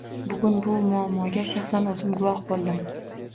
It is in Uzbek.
Bugun bu muammoga shaxsan oʻzim guvoh boʻldim.